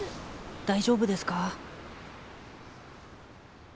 大丈夫ですか。